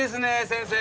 先生。